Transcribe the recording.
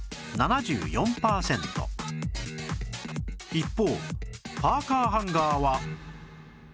一方パーカーハンガーは